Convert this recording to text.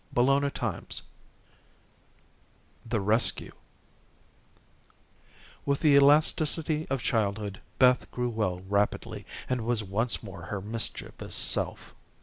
CHAPTER XIV The Rescue With the elasticity of childhood, Beth grew well rapidly, and was once more her mischievous self.